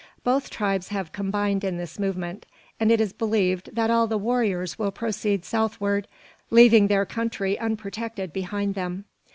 Both tribes have combined in this movement; and it is believed that all the warriors will proceed southward, leaving their country unprotected behind them.